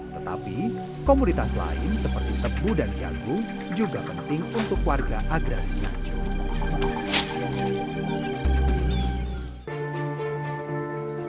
tetapi komoditas lain seperti tebu dan jagung juga penting untuk warga agraris nganjuk